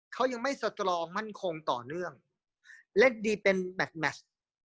เขายังไม่สตรองมั่นคงต่อเนื่องเล่นดีเป็นแมทแมช